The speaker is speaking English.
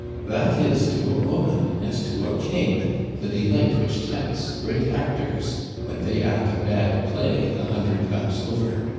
that is to a woman as to a king the delight which tempts great actors when they act a bad play a hundred times over.